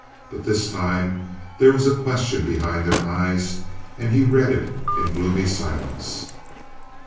But this time there was a question behind their eyes, and he read it in gloomy silence.